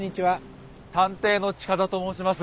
探偵の近田と申します。